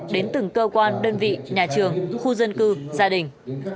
đến từng cơ quan đơn vị nhà trường khu dân cư gia đình